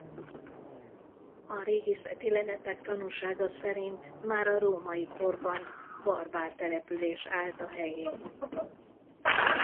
A régészeti leletek tanúsága szerint már a római korban barbár település állt a helyén.